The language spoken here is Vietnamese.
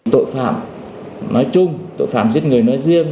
tội phạm nói chung tội phạm giết người nói riêng